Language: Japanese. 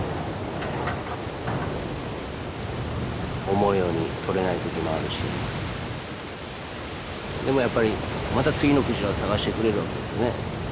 思うように獲れない時もあるしでもやっぱりまた次の鯨を探してくれるわけですよね。